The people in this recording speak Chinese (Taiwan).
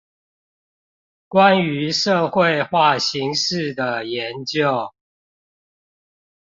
關於社會化形式的研究